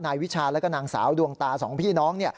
วิชาแล้วก็นางสาวดวงตาสองพี่น้อง